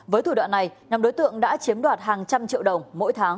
với thủ đoạn này nhóm đối tượng đã chiếm đoạt hàng trăm triệu đồng mỗi tháng